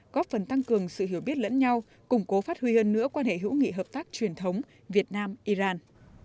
góp phần tăng cường sự hiểu biết lẫn nhau củng cố phát huy hơn nữa quan hệ hữu nghị hợp tác truyền thống việt nam iran